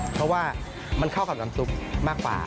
เพราะว่ามันเข้ากับน้ำซุปมากกว่า